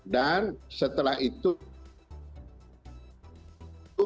dan setelah itu